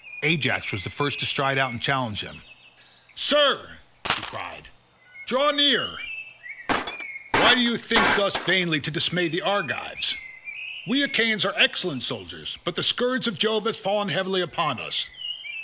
Ajax was the first to stride out and challenge him. "Sir," he cried, "draw near; why do you think thus vainly to dismay the Argives? We Achaeans are excellent soldiers, but the scourge of Jove has fallen heavily upon us.